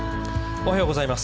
おはようございます。